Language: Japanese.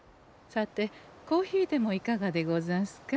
さてコーヒーでもいかがでござんすか？